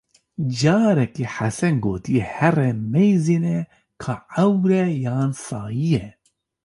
Carekê Hesen gotiyê, here meyzêne, ka ewr e, yan sayî ye!